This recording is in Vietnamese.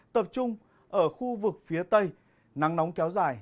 tập trung ở khu vực phía tây nắng nóng kéo dài